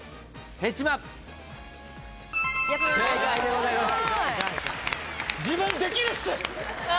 正解でございます。